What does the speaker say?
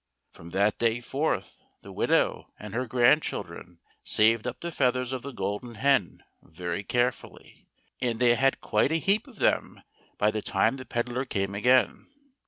From that day forth the widow and her grandchildren saved up the feathers of the Golden Hen very care fully, and they had quite a heap of them by the time the pedlar came again.